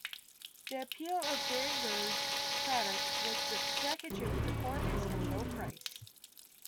The appeal of Behringer's products was the package of performance and low price.